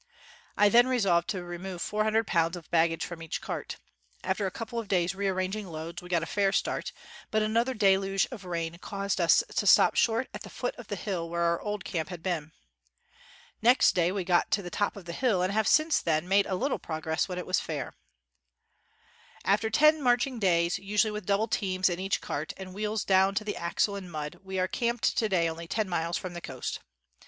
I then resolved to remove four hundred pounds of baggage from each cart. After a couple of days ' rearranging loads, we got a fair start, but another deluge of rain caused us to stop short at the foot of the hill where our old camp had been. Next day we got to the top of the hill, and have since then made a little progress when it was fair. "After ten marching days, usually with double teams in each cart, and wheels down to the axle in mud, we are camped to day only ten miles from the coast.